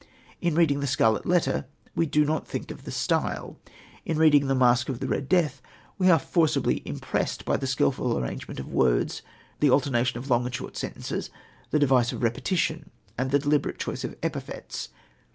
In reading The Scarlet Letter we do not think of the style; in reading The Masque of the Red Death we are forcibly impressed by the skilful arrangement of words, the alternation of long and short sentences, the device of repetition and the deliberate choice of epithets.